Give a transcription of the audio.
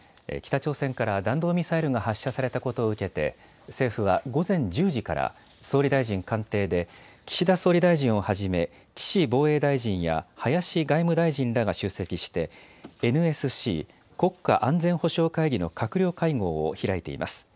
北朝鮮から弾道ミサイルが発射されたことを受けて政府は午前１０時から総理大臣官邸で岸田総理大臣をはじめ、岸防衛大臣や林外務大臣らが出席して、ＮＳＣ・国家安全保障会議の閣僚会合を開いています。